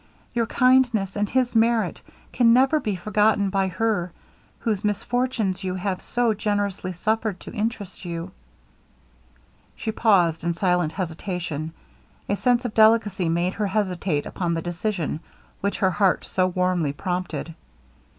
Your kindness and his merit can never be forgotten by her whose misfortunes you have so generously suffered to interest you.' She paused in silent hesitation. A sense of delicacy made her hesitate upon the decision which her heart so warmly prompted.